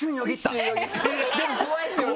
でも怖いですよね！